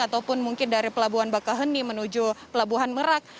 ataupun mungkin dari pelabuhan bakaheni menuju pelabuhan merak